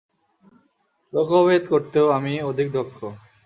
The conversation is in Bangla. লক্ষ্য ভেদ করতেও আমি অধিক দক্ষ।